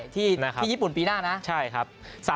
ที่ญี่ปุ่นปีหน้านะใช่ครับ